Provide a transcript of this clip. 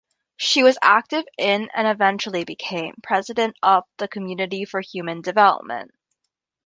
She was active in and eventually became president of the Community for Human Development.